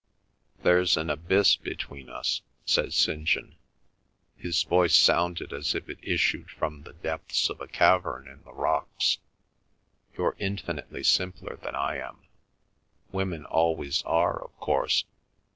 "There's an abyss between us," said St. John. His voice sounded as if it issued from the depths of a cavern in the rocks. "You're infinitely simpler than I am. Women always are, of course.